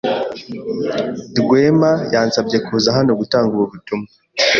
Rwema yansabye kuza hano gutanga ubu butumwa.